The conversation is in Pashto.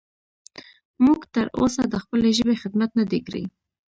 موږ تر اوسه د خپلې ژبې خدمت نه دی کړی.